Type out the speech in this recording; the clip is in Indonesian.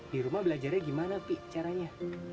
di rumah belajarnya gimana pi caranya